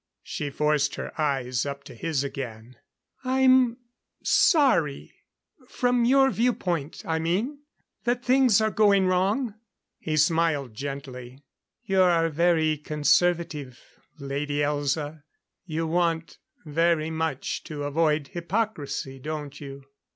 She forced her eyes up to his again. "I'm sorry from your viewpoint, I mean that things are going wrong." He smiled gently. "You are very conservative, Lady Elza. You want very much to avoid hypocrisy, don't you?"